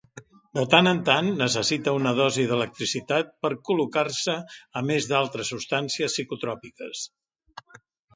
De tant en tant necessita una dosi d'electricitat per col·locar-se a més d'altres substàncies psicotròpiques.